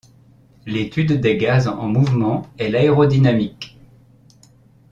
L'étude des gaz en mouvement est l'aérodynamique.